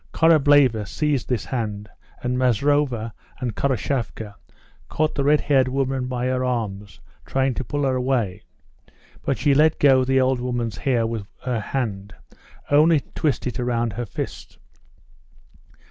Korableva seized this hand, and Maslova and Khoroshavka caught the red haired woman by her arms, trying to pull her away, but she let go the old woman's hair with her hand only to twist it round her fist.